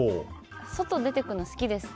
外出て行くの、好きです。